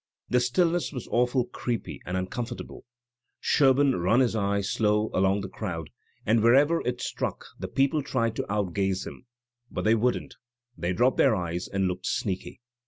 The stillness was awful creepy and uncomfortable. Sherbum run his eye slow along the crowd; and wherever it struck, the people tried to outgaze him, but they couldn't; they dropped their eyes and looked sneaky.